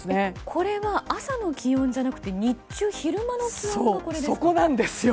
これは朝の気温じゃなくて日中昼間の気温なんですね。